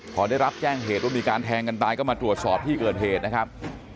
พอได้รับแจ้งเหตุว่ามีการแทงกันตายก็มาตรวจสอบที่เกิดเหตุนะครับ